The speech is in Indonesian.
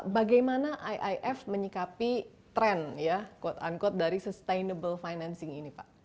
bagaimana iif menyikapi tren ya quote unquote dari sustainable financing ini pak